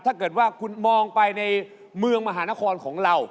ถ้าเกิดว่าคุณมองไปในเมืองมหานครของเรา